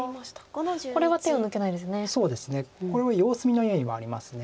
これは様子見の意味もあります。